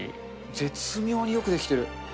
絶妙によくできてる。